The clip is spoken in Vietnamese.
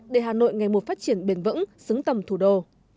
để hà nội ngày một phát triển bền vững xứng tầm thủ đô